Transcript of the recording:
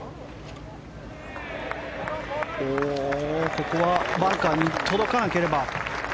ここはバンカーに届かなければ。